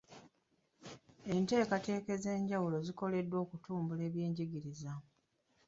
Enteekateeka ez'enjawulo zikoleddwa okutumbula ebyenjigiriza.